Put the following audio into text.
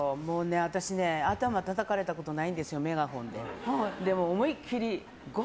私頭たたかれたことないんですよメガホンで。